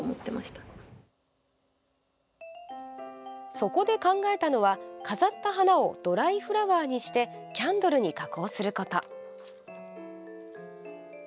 そこで考えたのは飾った花をドライフラワーにしてキャンドルに加工すること。